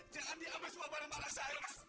jangan diambil semua barang barang saya mas